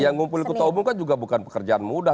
yang ngumpulin ketua umum kan juga bukan pekerjaan mudah